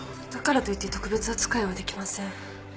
だからといって特別扱いはできません。